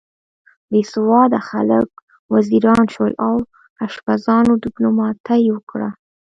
بې سواده خلک وزیران شول او اشپزانو دیپلوماتۍ وکړه.